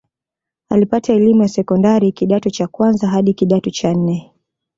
Alipata elimu ya sekondari kidato cha kwanza hadi kidato cha nne